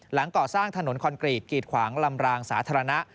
หลังก่อสร้างถนนคอนกรีตกีดขวางลำรางสาธารณะ